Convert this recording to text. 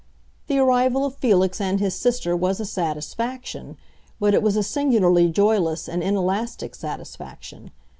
The arrival of Felix and his sister was a satisfaction, but it was a singularly joyless and inelastic satisfaction.